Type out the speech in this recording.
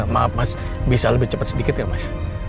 maaf mas bisa lebih cepat sedikit ya mas